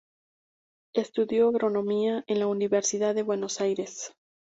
Estudió agronomía en la Universidad de Buenos Aires.